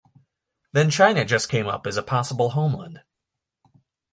Then China just came up as a possible homeland.